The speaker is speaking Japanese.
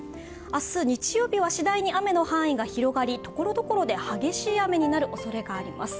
明日、日曜日は次第に雨の範囲が広がり、ところどころで激しい雨になるおそれがあります。